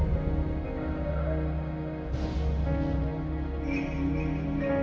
siapa sih adiknya